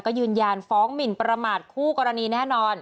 ก็ยืนยันฟ้องหมินประมาทคู่กรณีแน่นอน